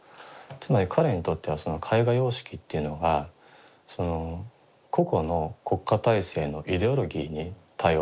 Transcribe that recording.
つまり彼にとってはその絵画様式っていうのがその個々の国家体制のイデオロギーに対応するものでもあったと。